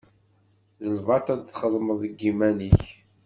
D lbaṭel i txedmeḍ deg yiman-ik.